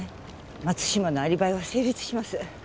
松島のアリバイは成立します。